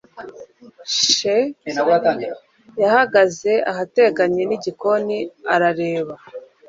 SHE yahagaze ahateganye nigikoni arareba